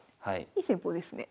いい戦法ですね。